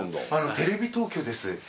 テレビ東京です。